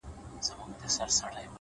تاسي له خدایه سره څه وکړل کیسه څنګه سوه-